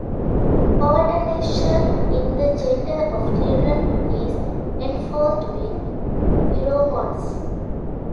Alternation in the gender of children is enforced with pheromones.